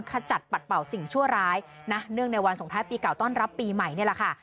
ขจัดปัดเป่าสิ่งชั่วร้ายนะเนื่องในวันสงท้ายปีเก่าต้อนรับปีใหม่นี่แหละค่ะ